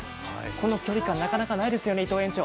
この距離感なかなかないですよね、伊藤園長？